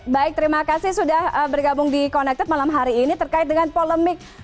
baik terima kasih sudah bergabung di connected malam hari ini terkait dengan polemik